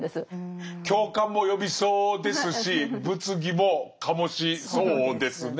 共感も呼びそうですし物議も醸しそうですね。